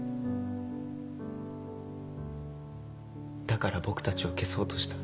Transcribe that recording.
だから僕たちを消そうとした。